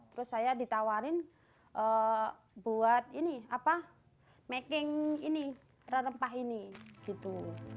terus saya ditawarin buat ini apa making ini rempah ini gitu